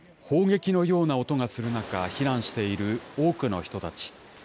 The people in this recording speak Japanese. ほうげきのような音がする中、避難している多くの人たち。